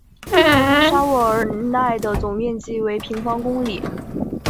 沙沃尔奈的总面积为平方公里。